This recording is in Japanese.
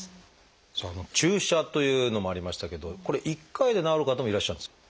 注射というのもありましたけどこれ１回で治る方もいらっしゃるんですか？